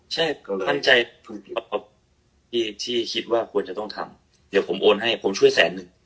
ใช่ความใจพูดถูกกับพี่ที่คิดว่าควรจะต้องทำเดี๋ยวผมโอนให้ผมช่วยแสนนึง